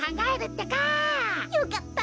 よかった！